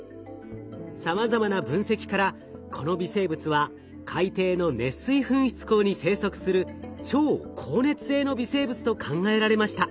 さまざまな分析からこの微生物は海底の熱水噴出孔に生息する超好熱性の微生物と考えられました。